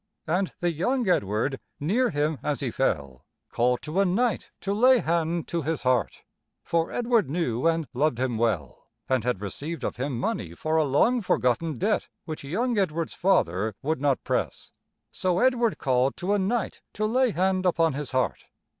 And the young Edward, near him as he fell, called to a knight to lay hand to his heart, for Edward knew and loved him well, and had received of him money for a long forgotten debt which young Edward's father would not press. So Edward called to a knight to lay hand upon his heart.